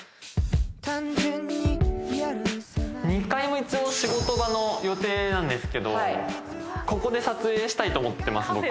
２階も一応仕事場の予定なんですけどここで撮影したいと思ってます